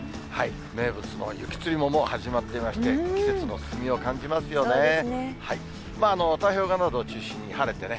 名物の雪つりももう始まっていまして、季節の進みを感じますよね。